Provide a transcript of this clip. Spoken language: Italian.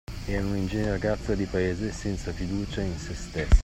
Era un'ingenua ragazza di paese senza fiducia in se stessa.